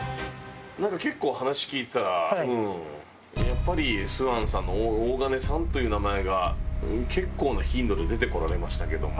なんか結構話聞いてたらやっぱりすわんさんの大金さんという名前が結構な頻度で出てこられましたけども。